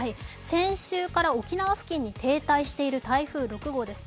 先週から沖縄付近に停滞している台風６号です。